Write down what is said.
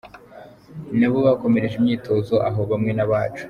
Nabo bakomereje imyitozo aho hamwe n’abacu.